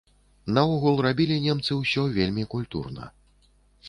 Наогул рабілі немцы ўсё вельмі культурна.